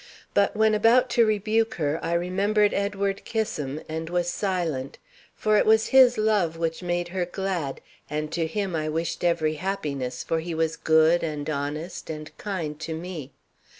But when about to rebuke her, I remembered Edward Kissam, and was silent. For it was his love which made her glad, and to him I wished every happiness, for he was good, and honest, and kind to me.